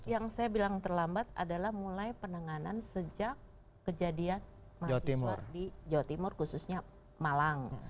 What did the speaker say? jadi yang saya bilang terlambat adalah mulai penanganan sejak kejadian mahasiswa di jawa timur khususnya malang